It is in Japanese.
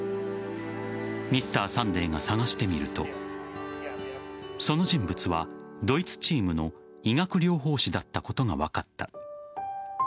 「Ｍｒ．サンデー」が探してみるとその人物はドイツチームの理学療法士だったことが分かった。